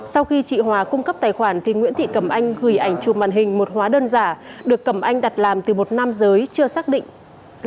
sau khi chị hòa cung cấp tài khoản thì nguyễn thị cẩm anh gửi ảnh chụp màn hình một hóa đơn giả được cầm anh đặt làm từ một nam giới chưa xác định